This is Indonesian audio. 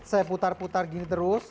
saya putar putar gini terus